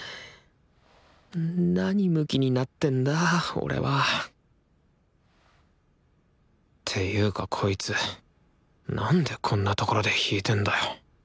なにムキになってんだ俺はていうかこいつなんでこんな所で弾いてんだよ